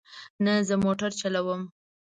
نه، زه موټر چلوم